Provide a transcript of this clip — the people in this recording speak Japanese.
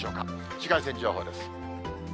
紫外線情報です。